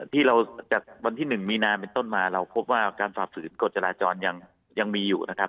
ที่เราจัดวันที่๑มีนาเป็นต้นมาเราพบว่าการฝ่าฝืนกฎจราจรยังมีอยู่นะครับ